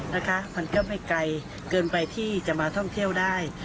นะคะมันก็ไม่ไกลเกินไปที่จะมาท่องเที่ยวได้